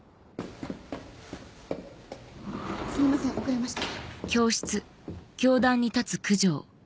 すみません遅れました。